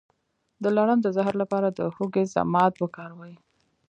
د لړم د زهر لپاره د هوږې ضماد وکاروئ